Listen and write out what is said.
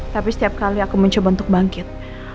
tapi setiap kali aku muncul bentuk bangkit